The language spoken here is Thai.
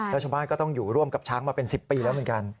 แล้วชาวบ้านก็ต้องอยู่ร่วมกับช้างมาเป็น๑๐ปีแล้วเหมือนกัน